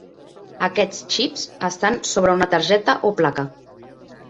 Aquests xips estan sobre una targeta o placa.